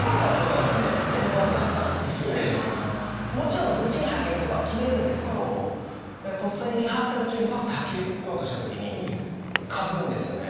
もちろんどっちにはけるとかは決めるんですけどとっさにリハーサル中にバッてはけようとした時にかぶるんですよね。